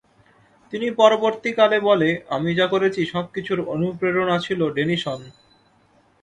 তিনি পরবর্তী কালে বলে, "আমি যা করেছি সবকিছুর অনুপ্রেরণা ছিল ডেনিশন।